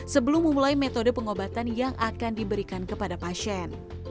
sebelum memulai metode pengobatan yang akan diberikan kepada pasien